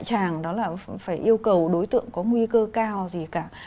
tràng đó là phải yêu cầu đối tượng có nguy cơ cao gì cả